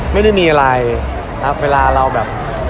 ไม่ได้มีอะไรครับเวลาเราแบบ